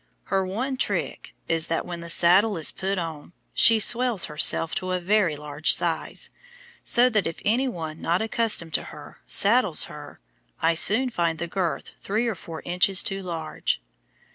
Her one trick is that when the saddle is put on she swells herself to a very large size, so that if any one not accustomed to her saddles her I soon find the girth three or four inches too large.